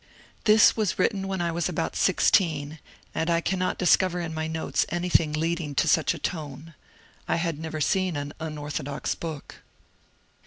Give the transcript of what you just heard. " This was written when I was about sixteen, and I cannot discover in my notes anything leading to such a tone. I had never seen an unorthodox book.